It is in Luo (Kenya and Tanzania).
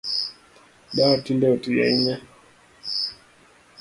Dawa tinde otii ahinya